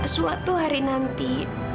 suatu hari nanti